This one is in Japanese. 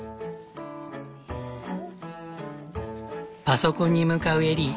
パソコンに向かうエリー。